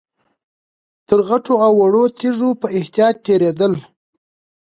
تر غټو او وړو تيږو په احتياط تېرېدل.